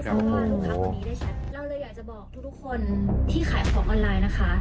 เราเลยอยากจะบอกทุกคนที่ขายของออนไลน์นะคะ